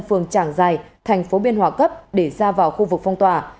phường trảng giài tp biên hòa cấp để ra vào khu vực phong tỏa